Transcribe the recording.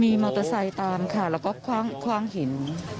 มีมอเตอร์ไซค์ตามค่ะแล้วก็คว่างหิน